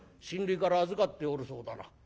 「親類から預かっておるそうだな。